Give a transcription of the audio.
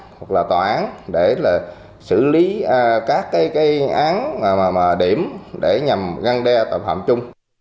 hoặc là tòa án để là xử lý các cái án mà điểm để nhằm găng đe tội phạm chung